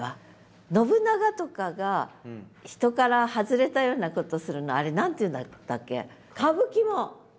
信長とかが人から外れたようなことをするのあれ何て言うんだったっけ？